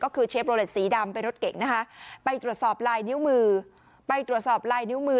ก็คือเชฟโรเลสสีดำเป็นรถเก่งนะคะไปตรวจสอบลายนิ้วมือ